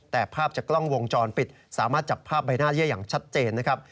แต่ภาพจากกล้องวงจรปิดสามารถจับภาพใบหน้าเยื่ออย่างชัดเจนนะครับ